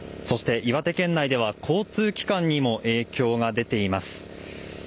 そして、岩手県内では交通機関にも影響が出ています。